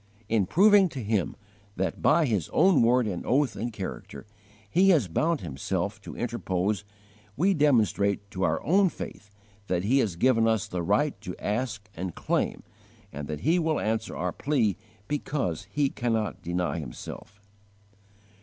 _ In proving to Him that, by His own word and oath and character, He has bound Himself to interpose, we demonstrate to our own faith that He has given us the right to ask and claim, and that He will answer our plea because He cannot deny Himself.